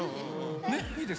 ねっいいですか？